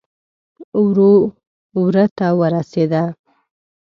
وره ته ورسېده.